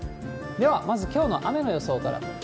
ではまず、きょうの雨の予想から。